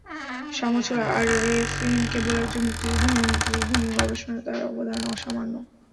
সামছুল আরেফিন কেবল একজন মুক্তিযোদ্ধাই নন, মুক্তিযুদ্ধ নিয়ে গবেষণায় তাঁর অবদান অসামান্য।